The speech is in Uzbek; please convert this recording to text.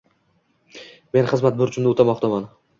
Men xizmat burchimni o’tamoqdaman